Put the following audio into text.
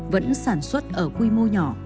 vẫn sản xuất ở quy mô nhỏ